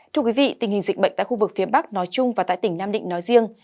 thưa quý vị tình hình dịch bệnh tại khu vực phía bắc nói chung và tại tỉnh nam định nói riêng